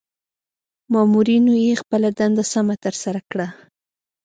مامورنیو خپله دنده سمه ترسره کړه.